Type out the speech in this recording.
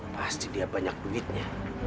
pasti dia banyak duitnya